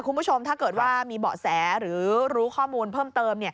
คุณผู้ชมถ้าเกิดว่ามีเบาะแสหรือรู้ข้อมูลเพิ่มเติม